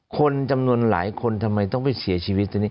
คนจำนวนหลายคนทำไมต้องไปเสียชีวิตตรงนี้